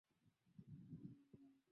redio zingine hazisikiki mbali kama zingine